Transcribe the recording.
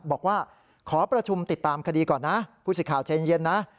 บอกว่าขอประชุมติดตามคดีก่อนนะผู้สิทธิ์ข่าวใจเย็นนะ